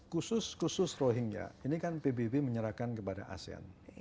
khusus khusus rohingya ini kan pbb menyerahkan kepada asean